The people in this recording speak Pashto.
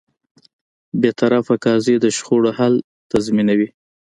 بېطرفه قاضی د شخړو حل تضمینوي.